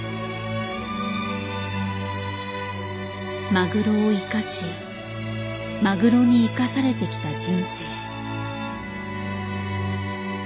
マグロを生かしマグロに生かされてきた人生。